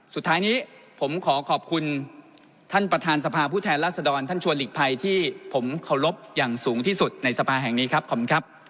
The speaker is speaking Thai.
สุดท้ายนี้ผมขอขอบคุณท่านประธานสภาผู้แทนรัศดรท่านชวนหลีกภัยที่ผมเคารพอย่างสูงที่สุดในสภาแห่งนี้ครับขอบคุณครับ